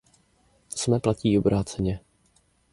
To samé platí i obráceně.